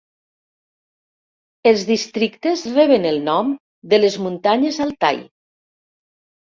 Els districtes reben el nom de les muntanyes Altai.